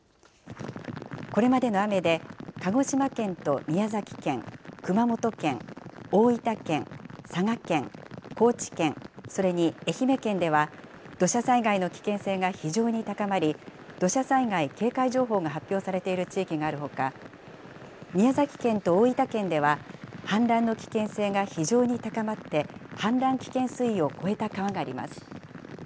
これまでの雨で鹿児島県と宮崎県、熊本県、大分県、佐賀県、高知県、それに愛媛県では、土砂災害の危険性が非常に高まり、土砂災害警戒情報が発表されている地域があるほか、宮崎県と大分県では氾濫の危険性が非常に高まって、氾濫危険水位を超えた川があります。